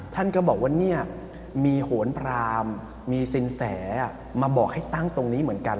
ท่านก็บอกว่าเนี่ยมีโหนพรามมีสินแสมาบอกให้ตั้งตรงนี้เหมือนกัน